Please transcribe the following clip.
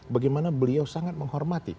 bagaimana beliau sangat menghormati